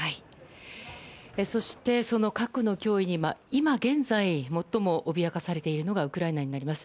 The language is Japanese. そして核の脅威に今現在最も脅かされているのがウクライナになります。